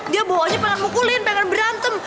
dia bawahnya pengen mukulin pengen berantem